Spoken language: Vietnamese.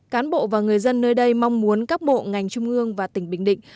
cán bộ và người dân nơi đây mong muốn các bộ ngành trung ương và tỉnh bình định